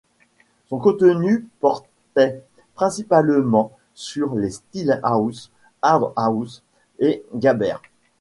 Son contenu portait principalement sur les styles house, hard house et gabber.